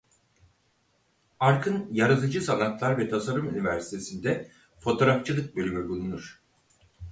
Arkın Yaratıcı Sanatlar ve Tasarım Üniversitesi'nde fotoğrafçılık bölümü bulunur.